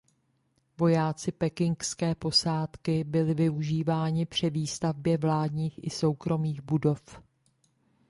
Vojáci pekingské posádky byli využíváni při výstavbě vládních i soukromých budov.